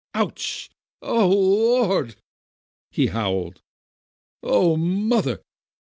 "Ouch! Oh Lord!" he howled. "Oh, mother!